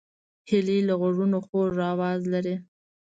هیلۍ له غوږونو خوږ آواز لري